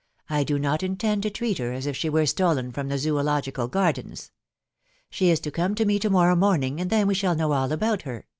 " I do not intend to treat her as if she were stolen from the Zoological Gardens. ... She is to come to me to morrow morning, and then we shall know all about her